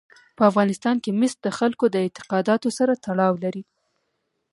په افغانستان کې مس د خلکو د اعتقاداتو سره تړاو لري.